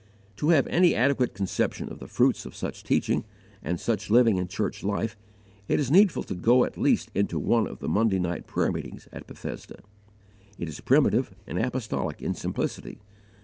To have any adequate conception of the fruits of such teaching and such living in church life, it is needful to go at least into one of the Monday night prayer meetings at Bethesda. It is primitive and apostolic in simplicity.